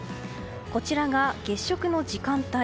こちらが月食の時間帯。